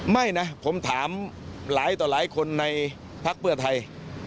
ไม่นะผมถามหลายต่อหลายคนในพักเพื่อไทย